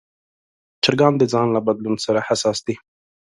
چرګان د ځای له بدلون سره حساس دي.